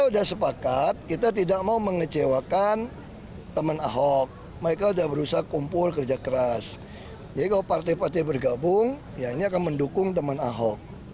jadi tetap optimis di jalur independen gitu pak